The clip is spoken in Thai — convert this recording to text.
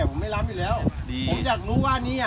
แต่ผมไม่ล้ำอยู่แล้วดีผมอยากรู้ว่าอันนี้อ่ะ